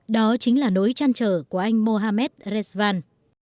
đó chính là nỗi trăn trở của anh mohamed eresvan